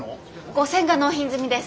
５，０００が納品済みです。